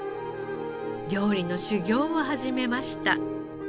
料理の修業を始めました。